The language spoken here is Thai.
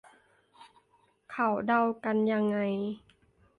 เขาเดากันยังไง